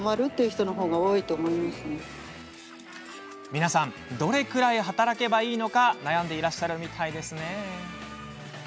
皆さんどれくらい働けばいいのか悩んでいらっしゃるみたいですね。